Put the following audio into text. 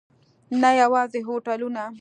نه یوازې هوټلونه.